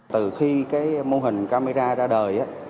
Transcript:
từ khi mô hình camera ra đời